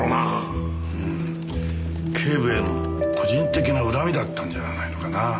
うーん警部への個人的な恨みだったんじゃないのかな。